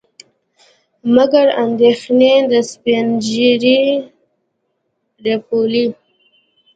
مګر اندېښنې د سپينږيري رپولې.